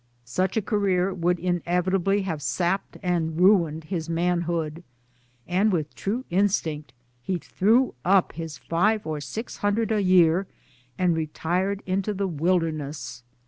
Such a career would inevitably have sapped and ruined his man hood ; and with true instinct he threw up his five or six hundred a year and retired into the wilderness.